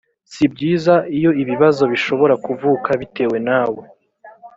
si byiza iyo ibibazo bishobora kuvuka bitewe nawe